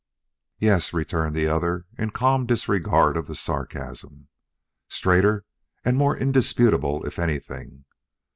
"Yes," returned the other in calm disregard of the sarcasm, "straighter and more indisputable, if anything.